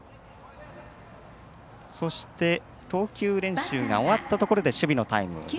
そして、投球練習が終わったところで守備のタイム。